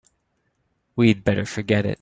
We'd better forget it.